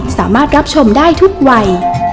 สามารถรับชมได้ทุกวัย